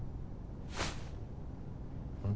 うん？